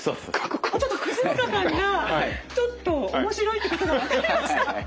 ちょっと越塚さんがちょっと面白いってことが分かりました。